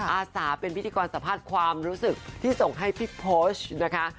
อาสาเป็นพิธีกรสัมภาษณ์ความรู้สึกที่ส่งให้พี่โพสต์นะคะ